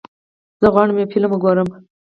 زه غواړم یو فلم وګورم.